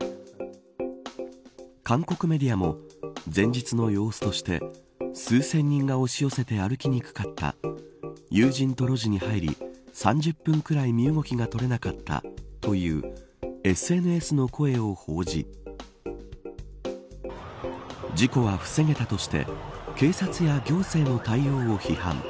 韓国メディアも前日の様子として数千人が押し寄せて歩きにくかった友人と路地に入り３０分くらい、身動きが取れなかったというＳＮＳの声を報じ事故は防げたとして警察や行政の対応を批判。